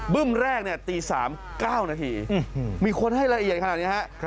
ึ้มแรกตี๓๙นาทีมีคนให้ละเอียดขนาดนี้ฮะ